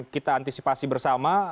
kita antisipasi bersama